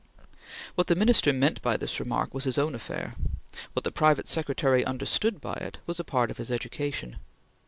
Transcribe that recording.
What the Minister meant by this remark was his own affair; what the private secretary understood by it, was a part of his education.